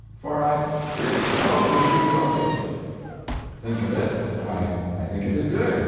for I really suppose you wrote it?" "Think of it? Why, I think it is good.